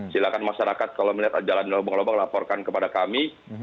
silahkan masyarakat kalau melihat jalan lubang lubang laporkan kepada kami